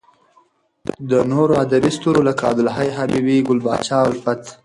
د نورو ادبې ستورو لکه عبد الحی حبیبي، ګل پاچا الفت .